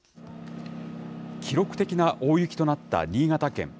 記録的な大雪となった新潟県。